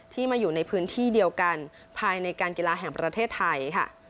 มาอยู่ในพื้นที่เดียวกันภายในการกีฬาแห่งประเทศไทยค่ะ